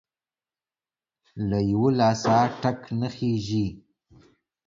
له يوه لاسه ټک نه خيږى.